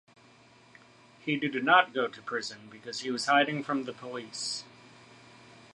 He did not go to prison because he was hiding from the police.